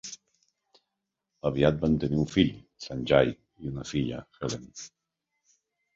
Aviat van tenir un fill, Sanjay, i una filla, Helen.